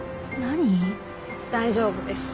大丈夫です。